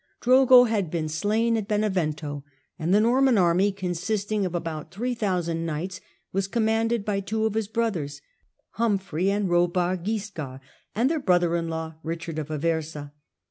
Drogo had been slain at Bene 3f vento, and the Norman army, consisting of about 3,000 knights, was commanded by two of his brothers, ^ jaCumphrey and Robert Wiscard, and their brother in \^ law, Eichard of Aversa.